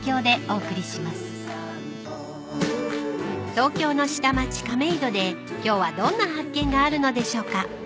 ［東京の下町亀戸で今日はどんな発見があるのでしょうか］